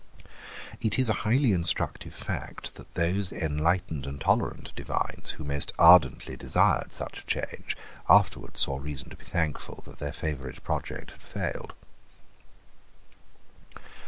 It is a highly instructive fact that those enlightened and tolerant divines who most ardently desired such a change afterwards saw reason to be thankful that their favourite project had failed.